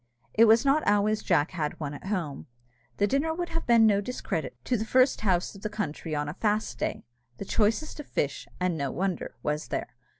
It was not always Jack had one at home. The dinner would have been no discredit to the first house of the country on a fast day. The choicest of fish, and no wonder, was there.